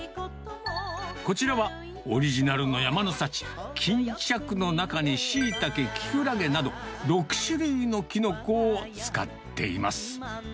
こちらはオリジナルの山の幸、巾着の中にシイタケ、キクラゲなど、６種類のキノコを使っています。